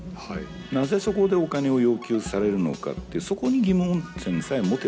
なぜそこでお金を要求されるのかっていうそこに疑問点さえ持てばいいと思います。